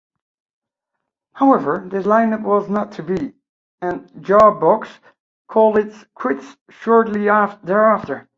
However, this lineup was not to be, and Jawbox called it quits shortly thereafter.